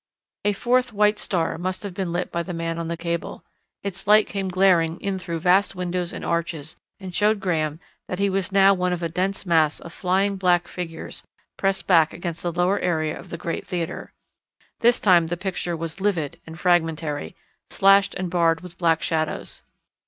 A fourth white star must have been lit by the man on the cable. Its light came glaring in through vast windows and arches and showed Graham that he was now one of a dense mass of flying black figures pressed back across the lower area of the great theatre. This time the picture was livid and fragmentary, slashed and barred with black shadows.